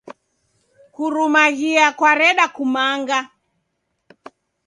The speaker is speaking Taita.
Kurumaghia kwareda kumanga.